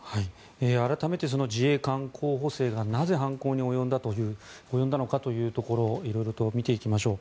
改めて、自衛官候補生がなぜ犯行に及んだのかというところを色々と見ていきましょう。